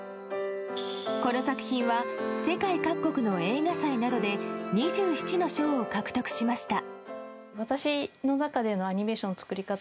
この作品は世界各国の映画祭などで２７の賞を獲得しました。